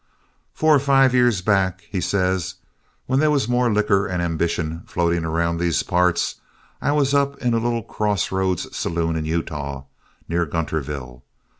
'Four or five years back,' he says, 'when they was more liquor and ambition floating around these parts, I was up in a little cross roads saloon in Utah, near Gunterville.